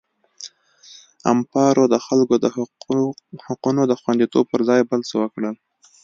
امپارو د خلکو د حقونو د خوندیتوب پر ځای بل څه وکړل.